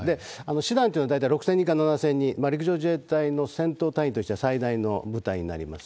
師団というのは６０００人から７０００人、陸上自衛隊の戦闘単位としては最大の部隊になります。